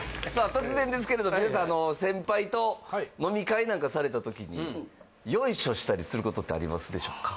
突然ですけれど皆さん先輩と飲み会なんかされた時にヨイショしたりすることってありますでしょうか